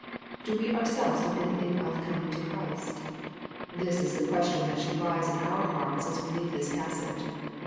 Do we ourselves know anything of " coming to Christ? " This is the question that should arise in our hearts as we leave this passage.